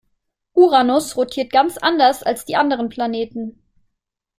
Uranus rotiert ganz anders als die anderen Planeten.